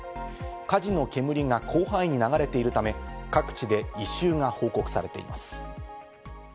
火事の煙が広範囲に流れているため、各地で異臭が報告されています。